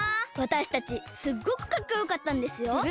わたしたちすっごくかっこよかったんですよ。